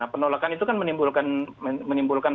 penolakan itu kan menimbulkan